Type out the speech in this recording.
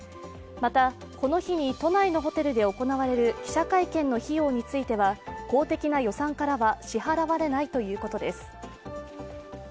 また、この日に都内のホテルで行われる記者会見の費用については公的な予算からは支払われないということです。